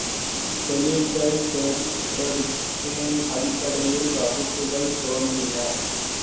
தொழில்கள் தோற்றத்தின் அடிப்படையில் வகுப்புக்கள் தோன்றின.